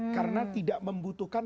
karena tidak membutuhkan